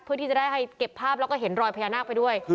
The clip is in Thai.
เพื่อที่จะได้ให้เก็บภาพแล้วก็เห็นรอยพญานาคไปด้วย